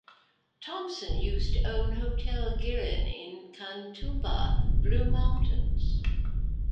Thompson used to own Hotel Gearin in Katoomba, Blue Mountains.